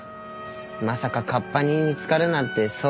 まさかカッパに見つかるなんて想定外。